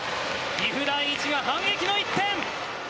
岐阜第一が反撃の１点！